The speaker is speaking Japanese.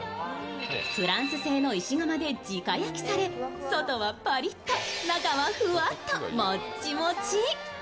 フランス製の石窯で直焼きされ、外はパリッと、中はふわっともっちもち。